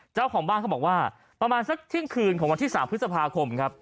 เจ้าของบ้านเขาบอกว่าประมาณสักเที่ยงคืนของวันที่๓พฤษภาคมครับ